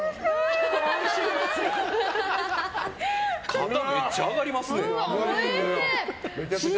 肩めっちゃ上がりますね。